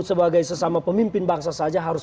sebagai sesama pemimpin bangsa saja harus